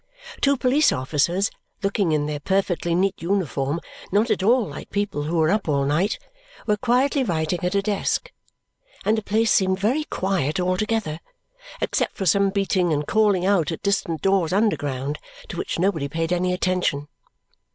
Two police officers, looking in their perfectly neat uniform not at all like people who were up all night, were quietly writing at a desk; and the place seemed very quiet altogether, except for some beating and calling out at distant doors underground, to which nobody paid any attention.